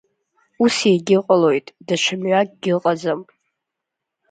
Ус иагьыҟалоит, даҽа мҩакгьы ыҟаӡам!